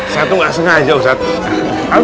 saya tuh gak sengaja ustadz